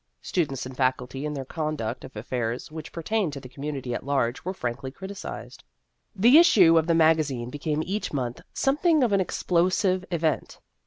Students and Faculty in their conduct of affairs which pertained to the community at large were frankly criticised. The issue of the mag azine became each month something of an explosive event.